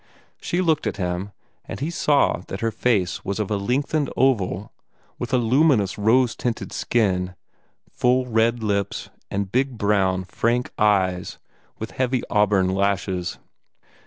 She looked at him, and he saw that her face was of a lengthened oval, with a luminous rose tinted skin, full red lips, and big brown, frank eyes with heavy auburn lashes.